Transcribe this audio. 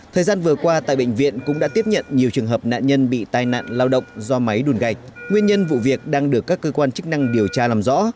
thời gian vừa qua tại bệnh viện cũng đã tiếp nhận nhiều trường hợp nạn nhân bị tai nạn lao động do máy đùn gạch nguyên nhân vụ việc đang được các cơ quan chức năng điều tra làm rõ